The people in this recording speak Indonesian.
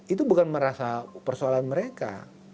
itu bukan merasa persoalan mereka